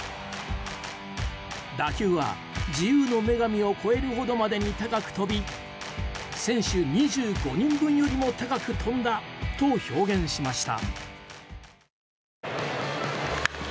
打球は自由の女神を超えるほどまでに高く飛び選手２５人分よりも高く飛んだと表現しました。